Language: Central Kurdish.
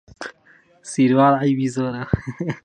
سیروان عەیبی زۆرە.